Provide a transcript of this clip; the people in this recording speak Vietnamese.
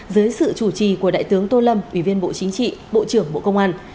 dưới sự chủ trì của đại tướng tô lâm ủy viên bộ chính trị bộ trưởng bộ công an